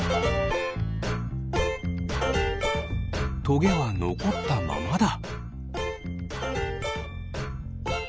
トゲはのこったままだ。